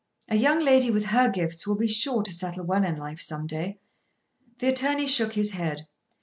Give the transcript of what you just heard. A young lady with her gifts will be sure to settle well in life some day." The attorney shook his head.